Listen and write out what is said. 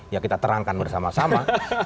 ya kita terangkan bersama sama